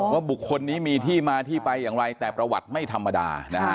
บุคคลนี้มีที่มาที่ไปอย่างไรแต่ประวัติไม่ธรรมดานะฮะ